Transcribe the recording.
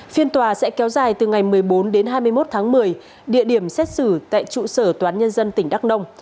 phiên tòa sẽ kéo dài từ ngày một mươi bốn đến hai mươi một tháng một mươi địa điểm xét xử tại trụ sở tòa án nhân dân tỉnh đắk nông